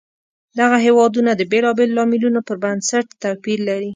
دغه هېوادونه د بېلابېلو لاملونو پر بنسټ توپیر لري.